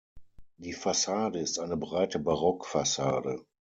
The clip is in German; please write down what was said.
Die Fassade ist eine breite Barockfassade.